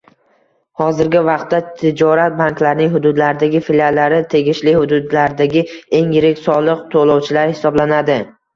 Hozirgi vaqtda tijorat banklarining hududlardagi filiallari tegishli hududlardagi eng yirik soliq to'lovchilar hisoblanadi